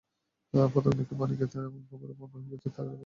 প্রথম দিকে পানি পেতেন, এখন একেবারেই বন্ধ আছে তাঁর এলাকায় পানি সরবরাহ।